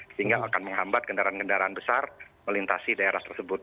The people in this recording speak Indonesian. sehingga akan menghambat kendaraan kendaraan besar melintasi daerah tersebut